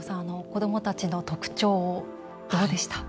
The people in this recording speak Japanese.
子どもたちの特徴どうでした？